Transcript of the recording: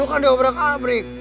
dulu kan di obrakam prik